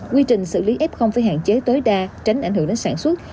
quy trình xử lý f phải hạn chế tối đa tránh ảnh hưởng đến sản xuất